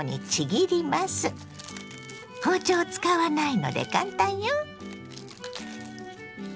包丁を使わないので簡単よ。